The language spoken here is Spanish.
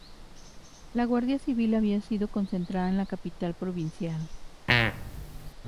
La Guardia Civil había sido concentrada en la capital provincial.